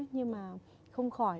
nhưng mà không khỏi